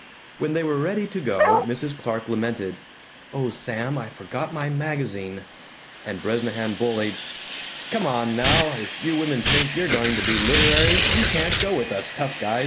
When they were ready to go Mrs. Clark lamented, "Oh, Sam, I forgot my magazine," and Bresnahan bullied, "Come on now, if you women think you're going to be literary, you can't go with us tough guys!"